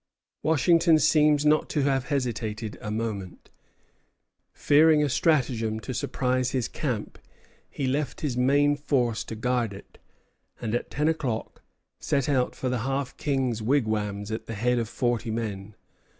Washington seems not to have hesitated a moment. Fearing a stratagem to surprise his camp, he left his main force to guard it, and at ten o'clock set out for the Half King's wigwams at the head of forty men.